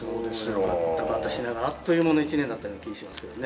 ばったばたしながらあっという間の１年だった気がしますけどね。